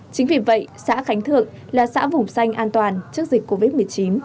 chính vì vậy xã khánh thượng là xã vùng xanh an toàn trước dịch covid một mươi chín